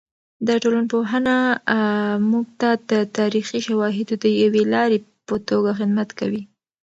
د ټولنپوهنه موږ ته د تاریخي شواهدو د یوې لارې په توګه خدمت کوي.